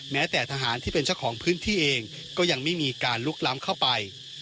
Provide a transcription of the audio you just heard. แม้แต่ทหารที่เป็นเจ้าของพื้นที่เองก็ยังไม่มีการลุกล้ำเข้าไป